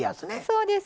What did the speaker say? そうです。